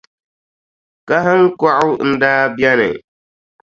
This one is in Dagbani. Kahiŋkɔɣu n-daa beni.